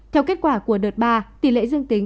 theo kết quả của đợt ba tỷ lệ dương tính